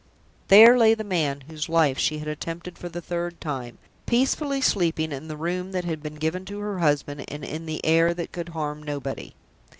There lay the man whose life she had attempted for the third time, peacefully sleeping in the room that had been given to her husband, and in the air that could harm nobody!